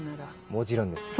もちろんですよ。